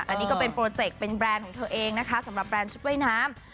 อันนี้ก็เป็นโปรเจคเป็นแบรนด์ของเธอเองนะคะสำหรับแบรนด์ชุดว่ายน้ำ